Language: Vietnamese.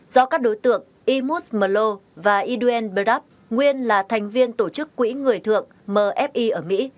do các đối tượng imus mello và edwin burdap nguyên là thành viên tổ chức quỹ người thượng mfi ở mỹ